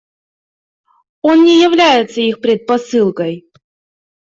Он не является их предпосылкой.